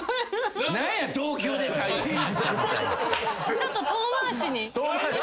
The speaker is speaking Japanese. ちょっと遠回しに。